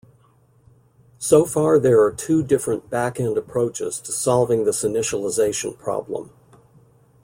So far there are two different backend approaches to solving this initialization problem.